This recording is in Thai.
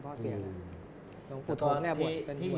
หลวงปุฑธมเนี่ยบัวที่มา